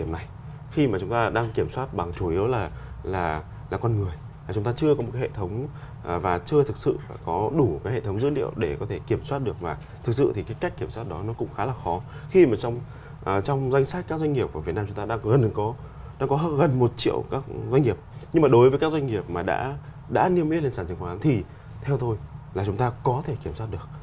nhưng mà đối với các doanh nghiệp mà đã niêm yết lên sản chứng khoán thì theo tôi là chúng ta có thể kiểm soát được